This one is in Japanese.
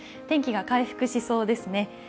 天気が回復しそうですね。